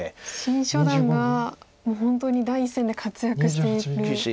新初段がもう本当に第一線で活躍している。